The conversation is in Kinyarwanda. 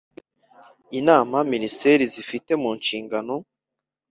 inama Minisiteri zifite munshingano